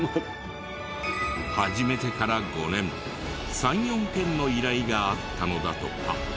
始めてから５年３４件の依頼があったのだとか。